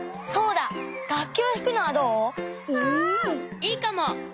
いいかも！